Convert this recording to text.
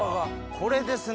これですね？